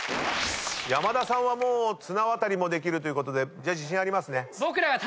山田さんは綱渡りもできるということで自信ありますね？